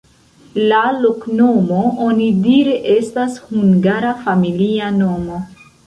La loknomo onidire estas hungara familia nomo.